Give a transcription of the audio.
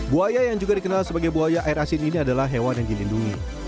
buaya yang juga dikenal sebagai buaya air asin ini adalah hewan yang dilindungi